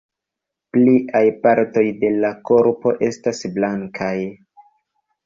Pliaj partoj de la korpo estas blankaj.